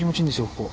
ここ。